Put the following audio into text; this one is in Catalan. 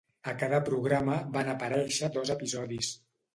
A cada programa van aparèixer dos episodis.